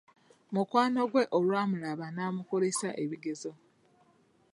Mukwano gwe olwamulaba n'amukulisa ebigezo.